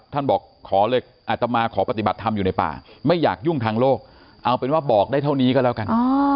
ท่านบอกขอเลยอัตมาขอปฏิบัติธรรมอยู่ในป่าไม่อยากยุ่งทางโลกเอาเป็นว่าบอกได้เท่านี้ก็แล้วกัน